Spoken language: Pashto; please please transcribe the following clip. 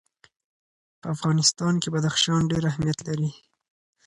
په افغانستان کې بدخشان ډېر اهمیت لري.